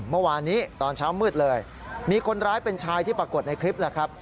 เมื่อวานนี้ตอนเช้ามืดเลยมีคนร้ายเป็นชายที่ปรากฏในคลิปแหละครับ